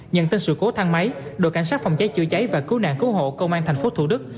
nhận tin sự cố thang máy đội cảnh sát phòng cháy chữa cháy và cứu nạn cứu hộ công an tp thủ đức